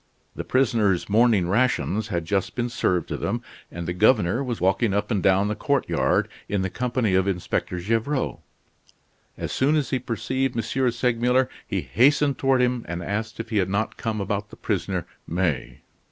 The prisoners' morning rations had just been served to them, and the governor was walking up and down the courtyard, in the company of Inspector Gevrol. As soon as he perceived M. Segmuller he hastened toward him and asked if he had not come about the prisoner May.